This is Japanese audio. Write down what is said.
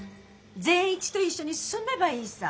善一と一緒に住めばいいさ。